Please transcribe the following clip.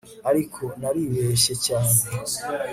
ariko naribeshye cyane